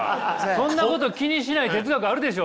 そんなこと気にしない哲学あるでしょ。